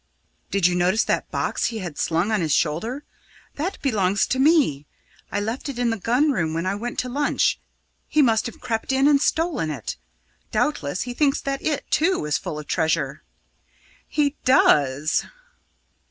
"Did you notice that box he had slung on his shoulder? That belongs to me. I left it in the gun room when I went to lunch. He must have crept in and stolen it. Doubtless he thinks that it, too, is full of treasure." "He does!"